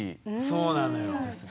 そうなのよ。